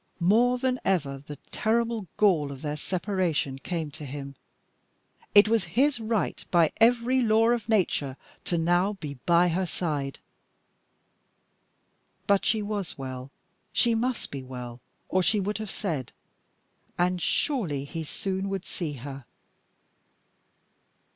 More than ever the terrible gall of their separation came to him. It was his right, by every law of nature, to now be by her side. But she was well she must be well, or she would have said, and surely he soon would see her.